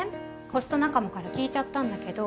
ホスト仲間から聞いちゃったんだけど。